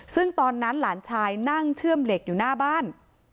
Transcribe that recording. ซึ่งตอนนั้นหลานชายนั่งเชื่อมเหล็กอยู่หน้าบ้าน